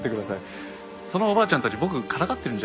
そのおばあちゃんたち僕をからかってるんじゃないですか？